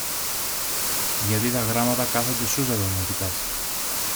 Γιατί τα γράμματα κάθονται σούζα όταν τα κοιτάς